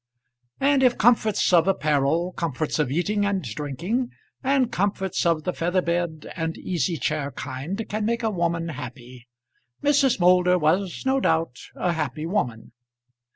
And if comforts of apparel, comforts of eating and drinking, and comforts of the feather bed and easy chair kind can make a woman happy, Mrs. Moulder was no doubt a happy woman.